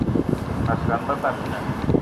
Mas gan, me ba mina.